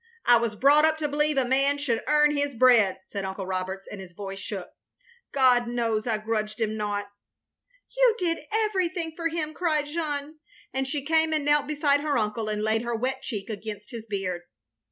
I was brought up to believe a man should earn his bread —" said Uncle Roberts, and his voice shook. "God knows I grudged him nought." "You did everything for him," cried Jeanne, and she came and knelt beside her uncle, and laid her wet cheek against his beard.